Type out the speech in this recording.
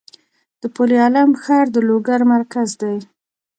د پل علم ښار د لوګر مرکز دی